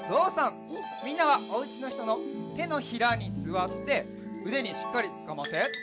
みんなはおうちのひとのてのひらにすわってうでにしっかりつかまって。